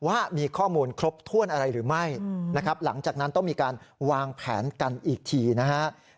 ว่ามีข้อมูลครบถ้วนอะไรหรือไม่นะครับหลังจากนั้นต้องมีการวางแผนกันอีกทีนะครับ